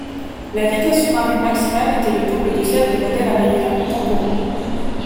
La vitesse sous-marine maximale était le double de celle des modèles américains contemporains.